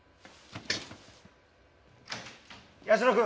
泰乃君。